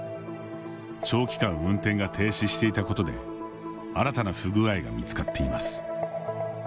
長期間運転が停止していたことで新たな不具合が見つかっています。